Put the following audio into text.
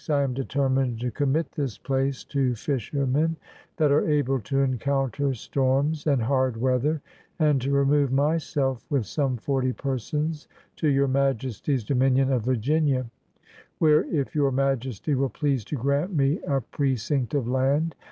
. I am determmed to commit this place to fishermen that are able to encounter storms and hard weather, and to remove myself with some forty persons to your Majesty's dominion of Virginia where, if your Majesty will please to grant me a precinct of land •